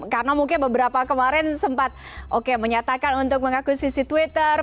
karena mungkin beberapa kemarin sempat menyatakan untuk mengakui sisi twitter